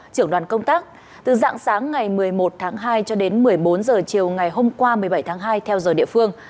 trưởng đoàn công tác từ dạng sáng ngày một mươi một tháng hai cho đến một mươi bốn h chiều ngày hôm qua một mươi bảy tháng hai theo giờ địa phương